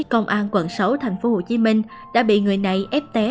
công an quận sáu tp hcm đã bị người này ép té